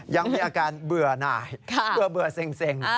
ยังมีอาการเบื่อหน่ายเบื่อเซ็ง